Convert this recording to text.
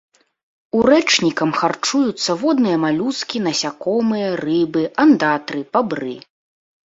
Урэчнікам харчуюцца водныя малюскі, насякомыя, рыбы, андатры, бабры.